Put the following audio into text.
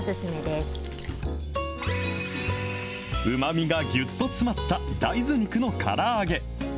うまみがぎゅっと詰まった大豆肉のから揚げ。